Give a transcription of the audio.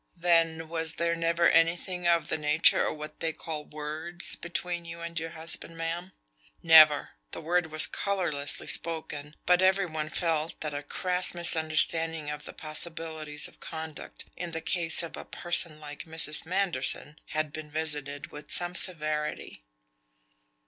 "Then was there never anything of the nature of what they call Words between you and your husband, ma'am?" "Never." The word was colorlessly spoken; but everyone felt that a crass misunderstanding of the possibilities of conduct in the case of a person like Mrs. Manderson had been visited with some severity.